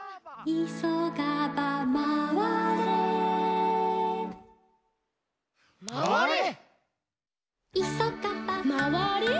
「いそがば」「まわれ？」